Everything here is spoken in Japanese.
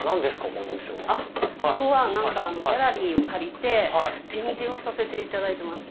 ここはギャラリーを借りて展示をさせていただいてます。